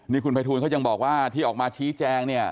นี่คุณภัยทูลเขายังบอกว่าที่ออกมาชี้แจงเนี่ย